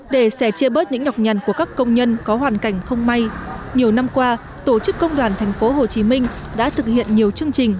để xẻ chia bớt những nhọc nhằn của các công nhân có hoàn cảnh không may nhiều năm qua tổ chức công đoàn thành phố hồ chí minh đã thực hiện nhiều chương trình